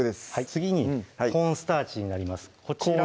次にコーンスターチになります